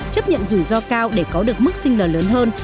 chấp nhận rủi ro cao để có được mức sinh lời lớn hơn